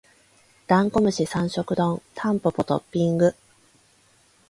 ダンゴムシ三食丼タンポポトッピング